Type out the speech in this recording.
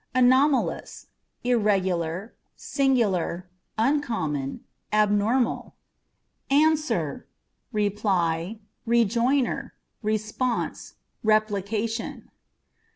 Anomalous â€" irregular, singular, uncommon, abnormal. Answer â€" reply, rejoinder, response, replication.